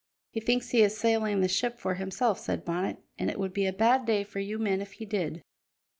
"He thinks he is sailing the ship for himself," said Bonnet, "and it would be a bad day for you men if he did."